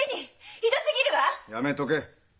やめとけ。